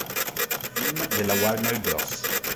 Film della Warner Bros.